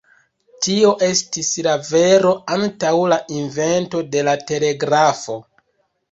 Tio estis la vero antaŭ la invento de la telegrafo.